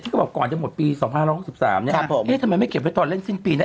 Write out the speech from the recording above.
ก็บอกก่อนจะหมดปี๒๕๖๓เนี่ยเอ๊ะทำไมไม่เก็บไว้ตอนเล่นสิ้นปีนะ